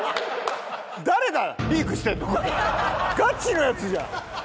ガチのやつじゃん！